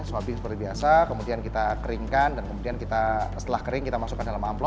swabbing seperti biasa kemudian kita keringkan dan kemudian kita setelah kering kita masukkan dalam amplop